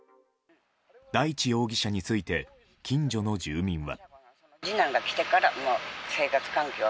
大地容疑者について近所の住民は。